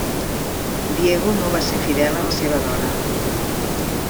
Diego no va ser fidel a la seva dona.